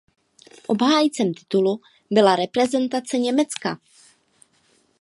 Obhájcem titulu byla reprezentace Německa.